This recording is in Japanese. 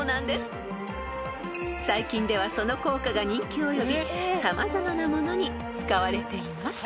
［最近ではその効果が人気を呼び様々なものに使われています］